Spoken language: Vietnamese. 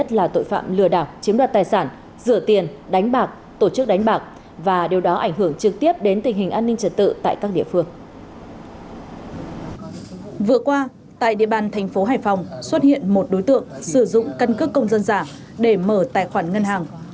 tại địa bàn thành phố hải phòng xuất hiện một đối tượng sử dụng cân cước công dân giả để mở tài khoản ngân hàng